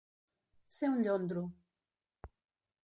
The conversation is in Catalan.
Ser un llondro.